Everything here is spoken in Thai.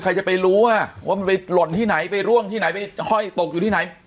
ใครจะไปรู้ว่ามันไปหล่นที่ไหนไปร่วงที่ไหนไปห้อยตกอยู่ที่ไหน